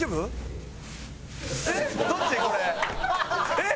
えっ？